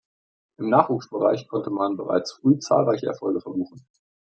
Im Nachwuchsbereich konnte man bereits früh zahlreiche Erfolge verbuchen.